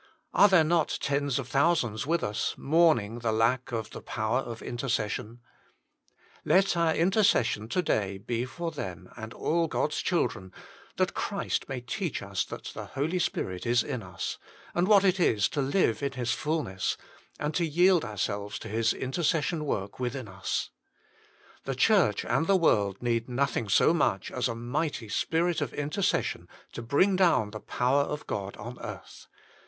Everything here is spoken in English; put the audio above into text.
Are there not tens of thousands with us mourning the lack of the power of intercession ? Let our intercession to day be for them and all God s children, that Christ may teach us that the Holy Spirit is in us ; and what it is to live in His fulness, and to yield ourselves to His intercession work within us. The Church and the world need nothing so much as a mighty Spirit of Intercession to bring down the power of God on earth.